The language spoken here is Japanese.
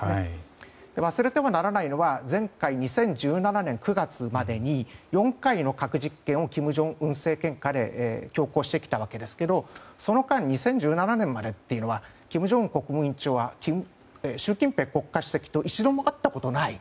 忘れてはならないのは前回２０１７年９月までに４回の核実験を強行してきたんですがその間、２０１７年までは金正恩国務委員長は習近平国家主席と一度も会ったことがない。